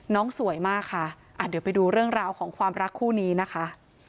สวยมากค่ะเดี๋ยวไปดูเรื่องราวของความรักคู่นี้นะคะ